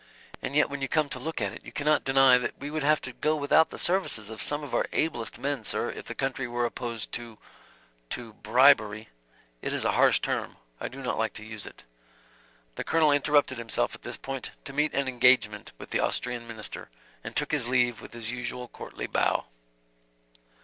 And yet when you come to look at it you cannot deny that we would have to go without the services of some of our ablest men, sir, if the country were opposed to to bribery. It is a harsh term. I do not like to use it." The Colonel interrupted himself at this point to meet an engagement with the Austrian minister, and took his leave with his usual courtly bow.